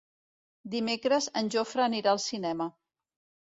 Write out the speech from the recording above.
Dimecres en Jofre anirà al cinema.